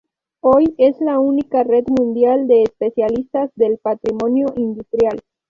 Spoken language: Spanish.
Hoy es la única red mundial de especialistas del patrimonio industrial.